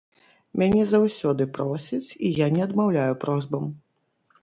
Мяне заўсёды просяць, і я не адмаўляю просьбам.